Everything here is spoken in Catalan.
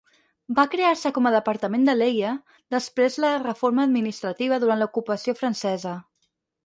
Va crear-se com a departament del Leie després la reforma administrativa durant l'ocupació francesa.